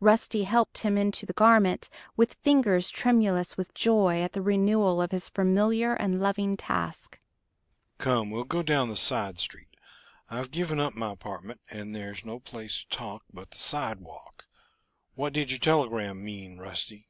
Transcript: Rusty helped him into the garment, with fingers tremulous with joy at the renewal of this familiar and loving task. "Come, we'll go down the side street. I've given up my apartment, and there's no place to talk but the sidewalk. What did your telegram mean, Rusty?"